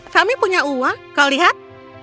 kami punya uang kau lihat